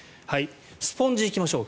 スポンジ行きましょう。